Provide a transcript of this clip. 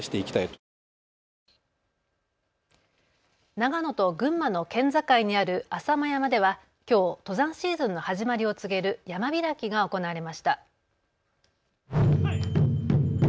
長野と群馬の県境にある浅間山ではきょう登山シーズンの始まりを告げる山開きが行われました。